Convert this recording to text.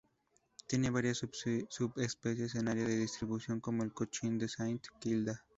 Tiene varias subespecies en su área de distribución como el chochín de Saint Kilda.